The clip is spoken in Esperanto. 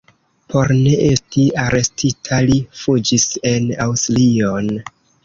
Por ne esti arestita li fuĝis en Aŭstrion.